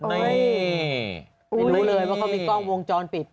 นี่ไม่รู้เลยว่าเขามีกล้องวงจรปิด